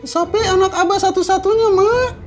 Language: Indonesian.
sofi anak abah satu satunya me